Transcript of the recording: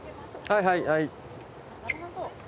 はいはいはい。